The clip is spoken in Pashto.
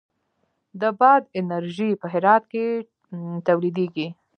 د باد انرژي په هرات کې تولیدیږي